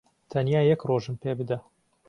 تەنیا یەک ڕۆژم پێ بدە.